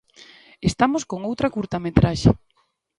Estamos con outra curtametraxe.